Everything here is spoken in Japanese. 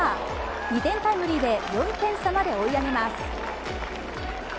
２点タイムリーで４点差まで追い上げます。